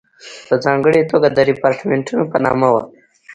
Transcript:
په ځانګړې توګه د ریپارټیمنټو په نامه وو.